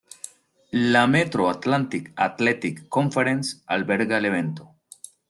La Metro Atlantic Athletic Conference alberga el evento.